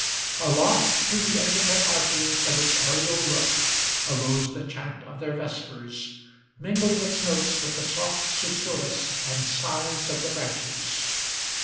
Aloft, through the intricate arches Of its aerial roof, arose the chant of their vespers, Mingling its notes with the soft susurrus and sighs of the branches.